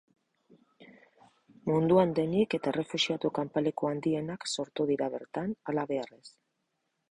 Munduan denik eta errefuxiatu kanpaleku handienak sortu dira bertan, halabeharrez.